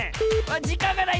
じかんがない！